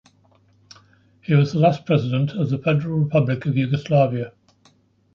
He was the last president of the Federal Republic of Yugoslavia.